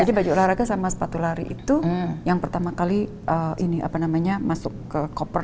jadi baju olahraga sama sepatu lari itu yang pertama kali masuk ke koper